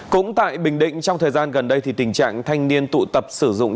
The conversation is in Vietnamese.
cũng tại bình định trong thời gian gần đây thì tình trạng thanh niên tụ tập sử dụng